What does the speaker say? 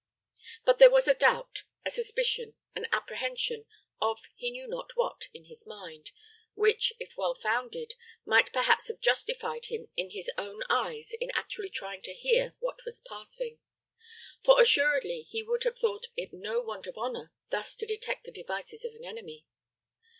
But there was a doubt, a suspicion, an apprehension of he knew not what in his mind, which, if well founded, might perhaps have justified him in his own eyes in actually trying to hear what was passing; for assuredly he would have thought it no want of honor thus to detect the devices of an enemy.